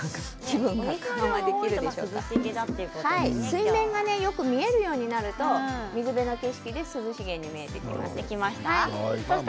水面がよく見えるようになると水辺の景色で涼しげに見えてきます。